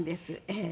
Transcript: ええ。